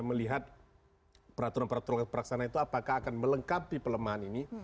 melihat peraturan peraturan peraksanaan itu apakah akan melengkapi pelemahan ini